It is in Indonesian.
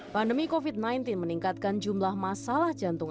pandemi covid sembilan belas meningkatkan jumlah masalah jantung